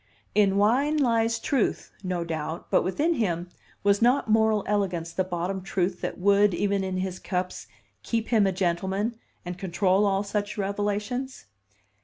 In wine lies truth, no doubt; but within him, was not moral elegance the bottom truth that would, even in his cups, keep him a gentleman, and control all such revelations?